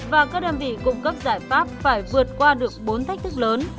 và các đơn vị cung cấp giải pháp phải vượt qua được bốn thách thức lớn